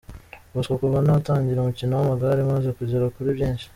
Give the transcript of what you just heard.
Bosco: Kuva natangira umukino w’amagare, maze kugera kuri byibshi.